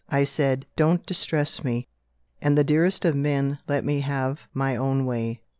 I said: 'Don't distress me'; and the dearest of men let me have my own way."